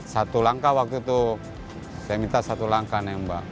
satu langkah waktu itu saya minta satu langkah nembak